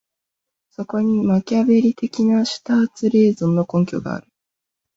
そこにマキァヴェリ的なシュターツ・レーゾンの根拠がある。